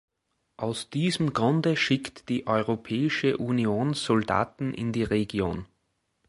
Aus diesem Grunde schickt die Europäische Union Soldaten in die Region.